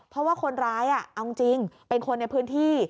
เพราะว่าคนร้ายเอาจริงเป็นคนในพื้นที่